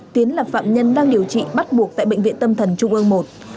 tiến là phạm nhân đang điều trị bắt buộc tại bệnh viện tâm thần trung ương i